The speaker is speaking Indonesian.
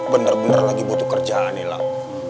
bener bener lagi butuh kerjaan nih lah